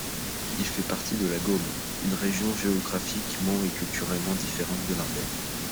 Il fait partie de la Gaume, une région géographiquement et culturellement différente de l'Ardenne.